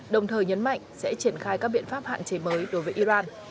đồng thời nhấn mạnh sẽ triển khai các biện pháp hạn chế mới đối với iran